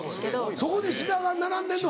そこで志田が並んでんの？